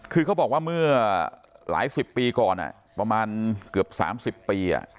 คือเขาบอกว่าเมื่อหลายสิบปีก่อนอ่ะประมาณเกือบสามสิบปีอ่ะ